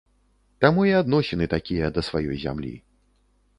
Таму і адносіны такія да сваёй зямлі.